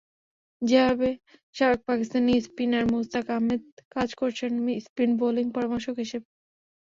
যেভাবে সাবেক পাকিস্তানি স্পিনার মুশতাক আহমেদ কাজ করেছেন স্পিন বোলিং পরামর্শক হিসেবে।